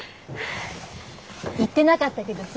言ってなかったけどさ。